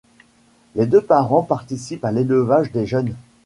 Les deux parents participent à l’élevage des jeunes.